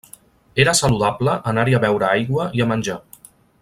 Era saludable anar-hi a beure aigua i a menjar.